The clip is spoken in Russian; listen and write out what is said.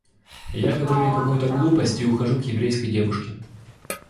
Я говорю ей какую-то глупость и ухожу к еврейской девушке.